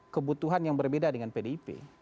kebutuhan yang berbeda dengan pdip